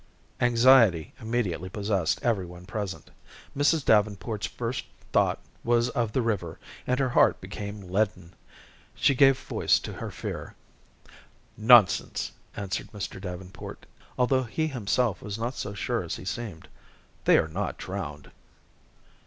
Anxiety immediately possessed every one present. Mrs. Davenport's first thought was of the river, and her heart became leaden. She gave voice to her fear. "Nonsense," answered Mr. Davenport decidedly, although he himself was not so sure as he seemed; "they are not drowned."